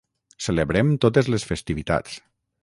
celebrem totes les festivitats